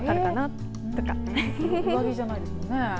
上着じゃないですもんね。